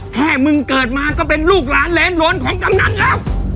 แค่มึงเกิดมาก็เป็นลูกหลานแหลนของกำนันแล้ว